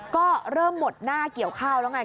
ก็เริ่มหมดหน้าเกี่ยวข้าวแล้วไง